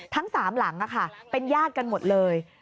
ทั้ง๓หลังเป็นญาติกันหมดเลย